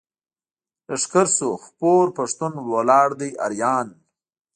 لښکر شو خپور پښتون ولاړ دی اریان.